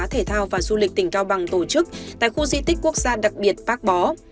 thể thao và du lịch tỉnh cao bằng tổ chức tại khu di tích quốc gia đặc biệt bác bó